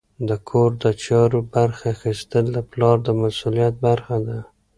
د کور د چارو برخه اخیستل د پلار د مسؤلیت برخه ده.